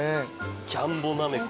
ジャンボなめこ。